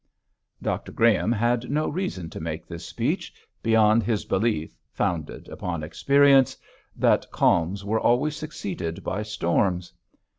hum!' Dr Graham had no reason to make this speech, beyond his belief founded upon experience that calms are always succeeded by storms.